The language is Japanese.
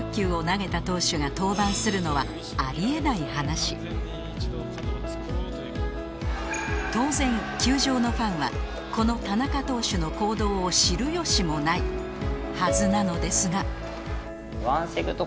しかし当然球場のファンはこの田中投手の行動を知る由もないはずなのですが